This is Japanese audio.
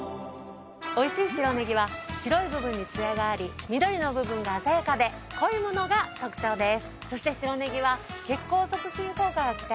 美味しい白ネギは白い部分にツヤがあり緑の部分が鮮やかで濃いものが特徴です。